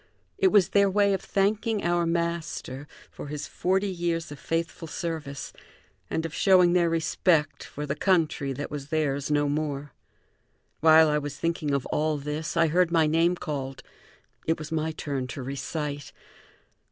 It was their way of thanking our master for his forty years of faithful service and of showing their respect for the country that was theirs no more. While I was thinking of all this, I heard my name called. It was my turn to recite.